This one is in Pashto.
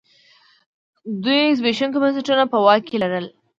دوی زبېښونکي بنسټونه په واک کې لرل.